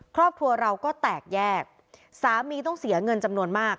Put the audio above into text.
ครอบครัวเราก็แตกแยกสามีต้องเสียเงินจำนวนมาก